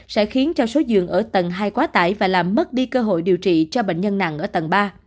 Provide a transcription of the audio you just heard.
sẽ khiến cho số giường ở tầng hai quá tải và làm mất đi cơ hội điều trị cho bệnh nhân nặng ở tầng ba